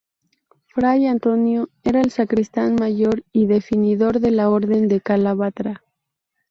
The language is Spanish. Fray Antonio era sacristán mayor y definidor de la Orden de Calatrava.